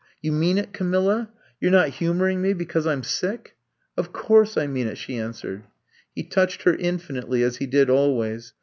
You mean it, Camilla? You 're not humoring me because I 'm sick!" Of course I mean it, '' she answered. He touched her infinitely, as he did al ways.